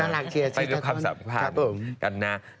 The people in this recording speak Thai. ไปดูความสัมภาพกันนะ